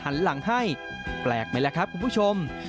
หันหลังให้แปลกไหมล่ะครับคุณผู้ชม